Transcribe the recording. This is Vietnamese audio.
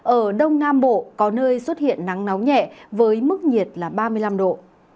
ở đông nam bộ có nơi xuất hiện nắng nóng nhẹ với mức nhiệt là ba mươi năm độ